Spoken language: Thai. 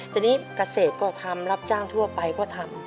ทีนี้เกษตรก็ทำรับจ้างทั่วไปก็ทำ